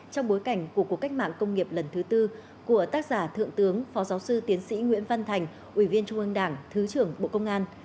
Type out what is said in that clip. trong bối cảnh của cuộc cách mạng công nghiệp lần thứ tư của tác giả thượng tướng phó giáo sư tiến sĩ nguyễn văn thành ủy viên trung ương đảng thứ trưởng bộ công an